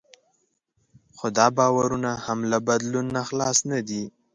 خو دا باورونه هم له بدلون نه خلاص نه دي.